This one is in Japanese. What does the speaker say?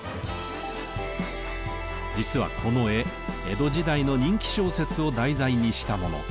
実はこの絵江戸時代の人気小説を題材にしたもの。